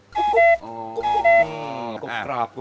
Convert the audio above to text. กรอบ